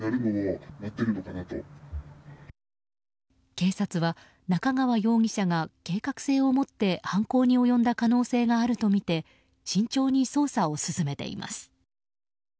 警察は、中川容疑者が計画性を持って犯行に及んだ可能性があるとみて慎重に捜査を進めています。